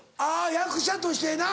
役者としてな。